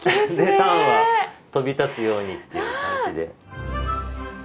３羽飛び立つようにという感じで。